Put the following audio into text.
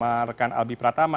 sama rekan albi pratama